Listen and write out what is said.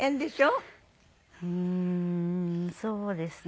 うーんそうですね。